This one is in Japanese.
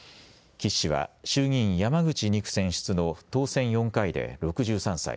岸氏は衆議院山口２区選出の当選４回で６３歳。